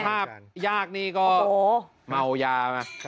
สภาพยากนี่ก็เม้ายา